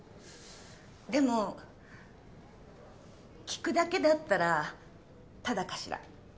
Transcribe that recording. でも聞くだけだったらタダかしら？